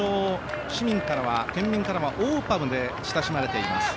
市民からは県民からはＯＰＡＭで親しまれています。